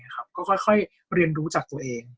ก็ค่อยเรียนรู้จากตัวเอง